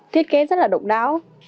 thiết kế rất là độc đáo